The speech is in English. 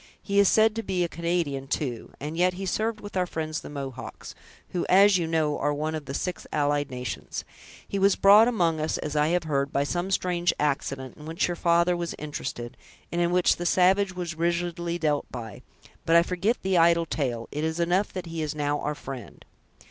He is said to be a Canadian too; and yet he served with our friends the Mohawks, who, as you know, are one of the six allied nations. He was brought among us, as I have heard, by some strange accident in which your father was interested, and in which the savage was rigidly dealt by; but I forget the idle tale, it is enough, that he is now our friend."